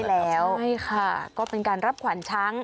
ใช่แล้วใช่ค่ะก็เป็นการรับขวัญช้าง